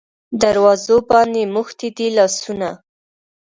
دروازو باندې موښتي دی لاسونه